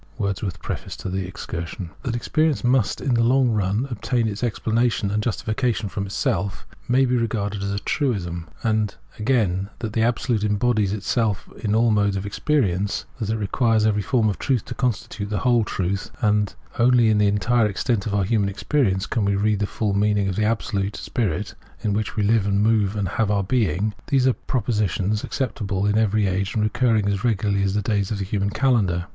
* That experience must in the long run obtain its explanation and justification from itself, may be re garded as a truism. And again, that the Absolute embodies itself in all modes of experience, that it requires every form of truth to constitute the whole truth, that only in the entire extent of our human experience can we read the full meaning of the Abso lute Spirit in which we live and move and have our being — these are propositions acceptable in every age, and recurring as regularly as the days of the human calendar.